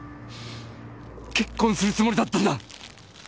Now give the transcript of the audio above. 結婚するつもりだったんだ！